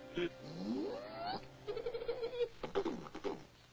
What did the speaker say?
うん。